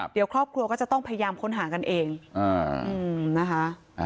เดี๋ยวครอบครัวก็จะต้องพยายามค้นหากันเองนะคะ